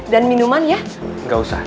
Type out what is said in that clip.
dan minuman yah gak usah